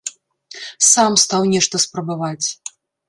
Сам стаў нешта спрабаваць.